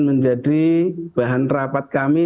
menjadi bahan rapat kami